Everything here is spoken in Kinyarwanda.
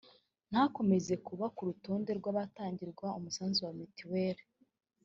ntakomeze kuba ku rutonde rw’abatangirwa umusanzu wa mituweli”